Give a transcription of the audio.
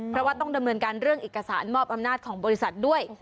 เพราะว่าต้องดำเนินการเรื่องเอกสารมอบอำนาจของบริษัทด้วย